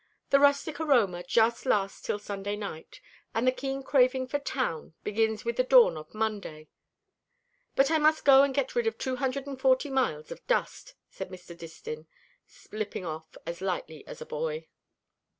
The rustic aroma just lasts till Sunday night, and the keen craving for town begins with the dawn of Monday. But I must go and get rid of two hundred and forty miles of dust," said Mr. Distin, slipping off as lightly as a boy.